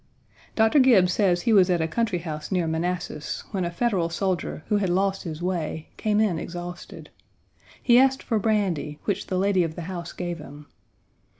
Dr. Gibbes says he was at a country house near Manassas, when a Federal soldier, who had lost his way, came in exhausted. He asked for brandy, which the lady of the house gave him.